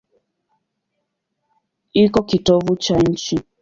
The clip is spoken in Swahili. Iko kitovu cha nchi.